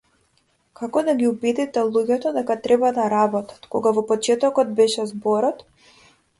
Како да ги убедите луѓето дека треба да работат, кога во почетокот беше зборот?